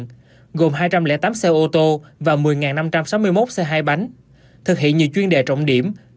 gồm hai trăm linh tám xe ô tô và một mươi năm trăm sáu mươi một xe hai bánh thực hiện nhiều chuyên đề trọng điểm